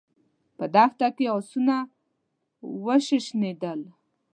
په دښته کې آسونه وشڼېدل.